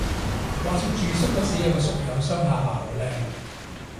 話說住宿嗰時有個宿友雙下巴好靚